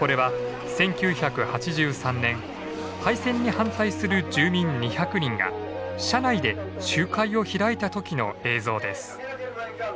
これは１９８３年廃線に反対する住民２００人が車内で集会を開いた時の映像です。